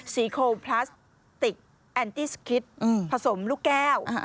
โคลพลาสติกแอนตี้สคิตผสมลูกแก้ว